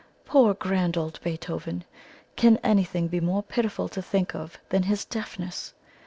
Poor grand old Beethoven! Can anything be more pitiful to think of than his deafness?